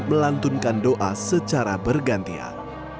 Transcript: melantunkan doa secara bergantian